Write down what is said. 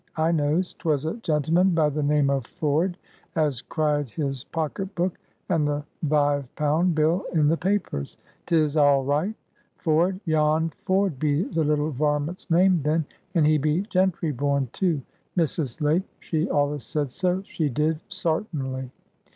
I knows. 'Twas a gentleman by the name of Ford as cried his pocket book, and the vive pound bill in the papers. 'Tis aal right. Ford—Jan Ford be the little varment's name then, and he be gentry born, too! Missus Lake she allus said so, she did, sartinly."